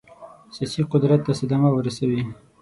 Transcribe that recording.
سیاسي قدرت ته صدمه ورسوي.